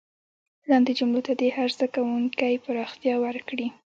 لاندې جملو ته دې هر زده کوونکی پراختیا ورکړي.